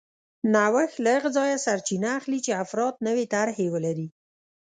نوښت له هغه ځایه سرچینه اخلي چې افراد نوې طرحې ولري